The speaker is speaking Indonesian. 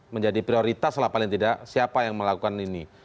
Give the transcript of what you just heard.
menjadi prioritas lah paling tidak siapa yang melakukan ini